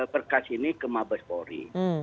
berkas ini ke mabes polri